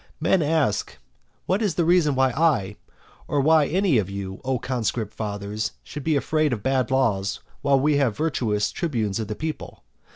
Men ask, what is the reason why I, or why any one of you, O conscript fathers, should be afraid of bad laws while we have virtuous tribunes of the people?